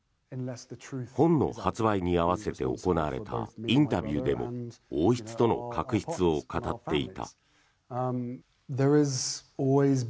本の発売に合わせて行われたインタビューでも王室との確執を語っていた。